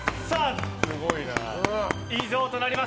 以上となります。